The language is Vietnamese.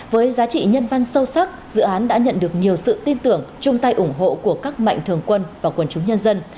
với giá trị nhân văn sâu sắc dự án đã nhận được nhiều sự tin tưởng chung tay ủng hộ của các mạnh thường quân và quân chúng nhân dân